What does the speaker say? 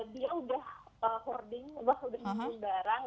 dia udah hoarding udah menjumpai barang